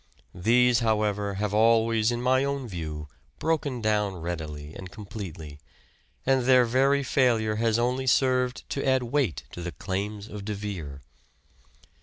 These, however, have always in my own view broken down readily and completely, and their very failure has only served to add weight to the claims of De Vere.